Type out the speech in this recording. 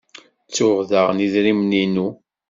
Ttuɣ daɣen idrimen-inu.